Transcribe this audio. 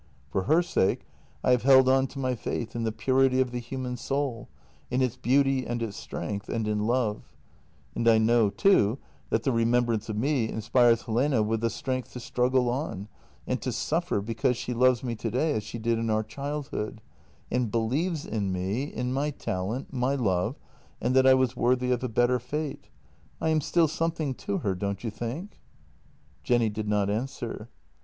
For her sake I have held on to my faith in the purity of the human soul, in its beauty and its strength — and in love, and I know, too, that the remembrance of me inspires Helene with the strength to struggle on and to suffer because she loves me today as she did in our childhood, and believes in me, in my talent, my love, and that I was worthy of a better fate. I am still something to her, don't you think?" Jenny did not answer.